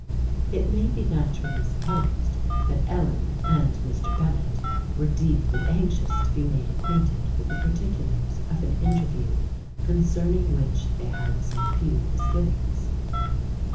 It may be naturally supposed that Ellen and Mr. Bennet were deeply anxious to be made acquainted with the particulars of an interview concerning which they had some few misgivings.